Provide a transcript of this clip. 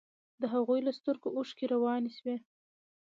د هغوى له سترگو اوښکې روانې سوې.